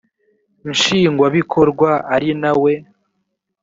nshingwabikorwa ari na we